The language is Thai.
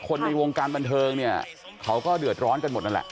ในวงการบันเทิงเนี่ยเขาก็เดือดร้อนกันหมดนั่นแหละ